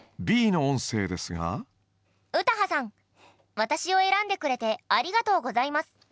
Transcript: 私を選んでくれてありがとうございます。